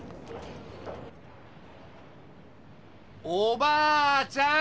おばあちゃん！